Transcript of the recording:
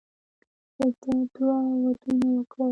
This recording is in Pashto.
ده دوه ودونه وکړل.